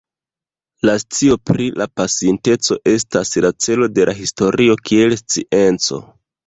La scio pri la pasinteco estas la celo de la historio kiel scienco.